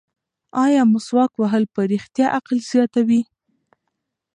ایا مسواک وهل په رښتیا عقل زیاتوي؟